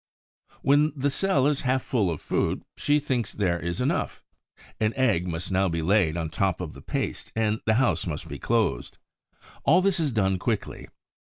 When the cell is half full of food, she thinks there is enough. An egg must now be laid on top of the paste and the house must be closed. All this is done quickly.